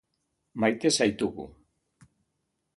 Maite zaitugu.